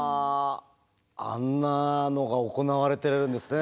あんなのが行われてるんですね